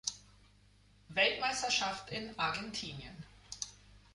Weltmeisterschaft in Argentinien.